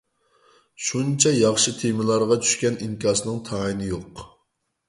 شۇنچە ياخشى تېمىلارغا چۈشكەن ئىنكاسنىڭ تايىنى يوق.